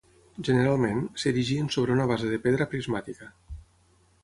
Generalment, s'erigien sobre una base de pedra prismàtica.